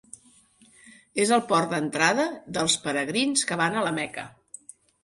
És el port d'entrada dels peregrins que van a la Meca.